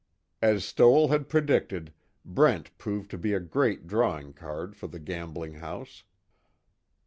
As Stoell had predicted, Brent proved to be a great drawing card for the gambling house.